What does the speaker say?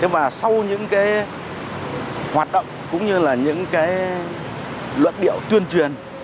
và sau những hoạt động cũng như là những luật điệu tuyên truyền